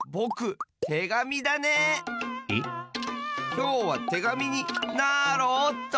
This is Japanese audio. きょうはてがみになろおっと！